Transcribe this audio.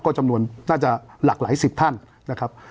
ก็จำนวนน่าจะหลากหลายสิบท่านนะครับ